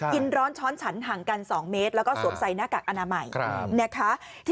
กินร้อนช้อนฉันห่างกัน๒เมตรแล้วก็สวมใส่หน้ากากอนามัยนะคะ